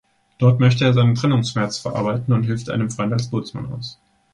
Dort möchte er seinen Trennungsschmerz verarbeiten und hilft einem Freund als Bootsmann aus.